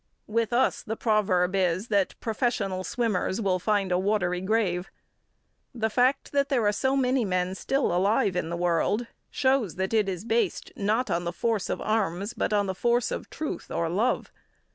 With us, the proverb is that professional swimmers will find a watery grave. The fact that there are so many men still alive in the world shows that it is based not on the force of arms but on the force of truth or love.